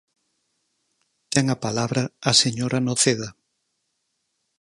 Ten a palabra a señora Noceda.